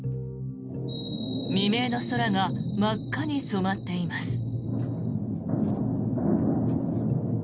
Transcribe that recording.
未明の空が真っ赤に染まっています。